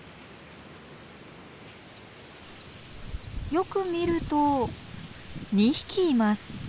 よく見ると２匹います。